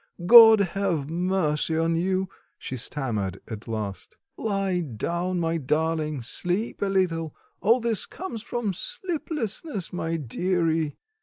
God have mercy on you!" she stammered at last. "Lie down, my darling, sleep a little, all this comes from sleeplessness, my dearie."